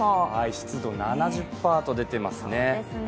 湿度７０％と出ていますね。